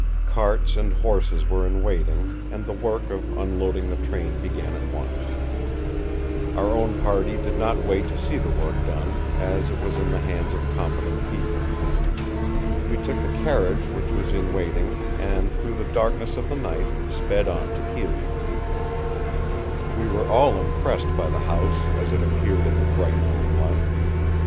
Carts and horses were in waiting, and the work of unloading the train began at once. Our own party did not wait to see the work done, as it was in the hands of competent people. We took the carriage which was in waiting, and through the darkness of the night sped on to Kyllion. We were all impressed by the house as it appeared in the bright moonlight.